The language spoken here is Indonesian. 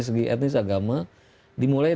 segi etnis agama dimulai